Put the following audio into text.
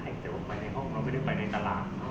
ไม่ได้นายจะไปได้แต่ไม่ได้ไปในตลาด